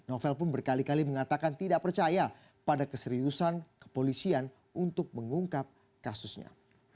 novel pun berkali kali mengatakan tidak percaya pada keseriusan kepolisian untuk mengungkap kasusnya